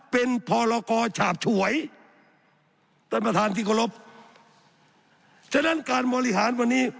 เป็นพลกฉาบจ่วยสมธารที่กระรบฉะนั้นการบริหารวันนี้